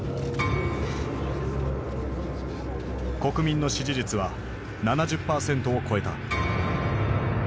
国民の支持率は７０％を超えた。